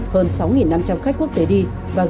hơn sáu năm trăm linh khách quốc tế đi